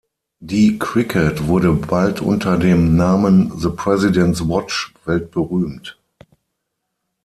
Die Cricket wurde bald unter dem Namen „the President’s watch“ weltberühmt.